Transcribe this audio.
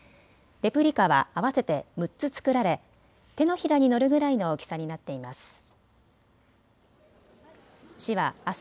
レプリカは合わせて６つ作られ手のひらに載るぐらいの大きさになっています。